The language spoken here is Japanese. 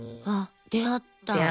あっ出会った？